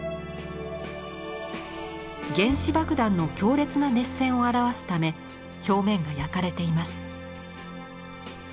原子爆弾の強烈な熱線を表すため表面が焼かれています。